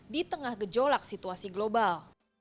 di tengah gejolak situasi global